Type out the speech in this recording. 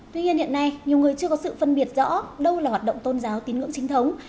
tuy nhiên hiện nay nhiều người chưa có sự phân biệt rõ đâu là hoạt động tôn giáo tín ngưỡng chính thống